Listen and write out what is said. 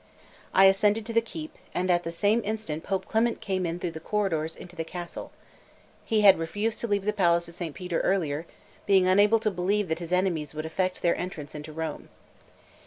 I ascended to the keep, and at the same instant Pope Clement came in through the corridors into the castle; he had refused to leave the palace of St. Peter earlier, being unable to believe that his enemies would effect their entrance into Rome.